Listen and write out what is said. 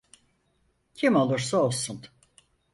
Kim olursa olsun.